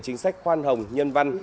chính sách khoan hồng nhân văn